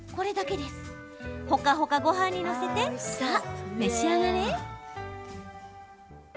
ほかほかごはんに載せてさあ、召し上がれ！